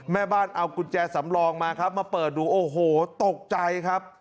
แม่บ้านเอากุญแจสำรองมาครับมาเปิดดูโอ้โหตกใจครับ